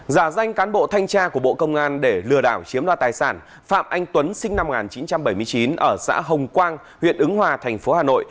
giả danh cán bộ thanh tra của bộ công an để lừa đảo chiếm đoạt tài sản phạm anh tuấn sinh năm một nghìn chín trăm bảy mươi chín ở xã hồng quang huyện ứng hòa thành phố hà nội